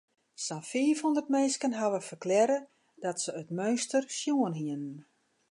Sa'n fiifhûndert minsken hawwe ferklearre dat se it meunster sjoen hiene.